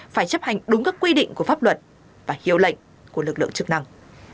phải chấp hành đúng các quy định của pháp luật và hiệu lệnh của lực lượng chức năng